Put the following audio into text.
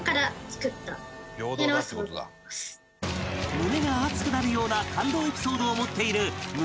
胸が熱くなるような感動エピソードを持っている胸